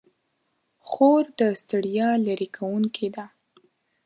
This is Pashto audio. خور د ستړیا لیرې کوونکې ده.